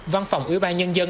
văn phòng ủy ban nhân dân